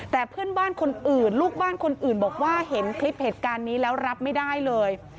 แต่เพื่อนบ้านคนอื่นลูกบ้านคนอื่นบอกว่าเห็นคลิปเหตุการณ์นี้แล้วรับไม่ได้เลย